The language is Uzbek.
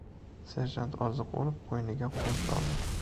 Serjant Orziqulov qo‘yniga qo‘l soldi.